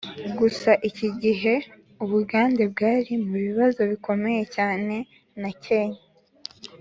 gusa iki gihe ubugande bwari mu bibazo bikomeye cyane na kenya